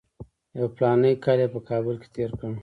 یو فلاني کال یې په کابل کې تېر کړ.